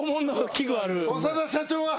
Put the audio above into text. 長田社長は。